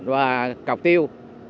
và cọc tiêu